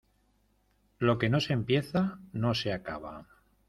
Lo que no se empieza, no se acaba.